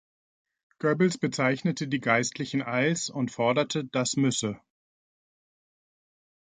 Goebbels bezeichnete die Geistlichen als und forderte, dass müsse.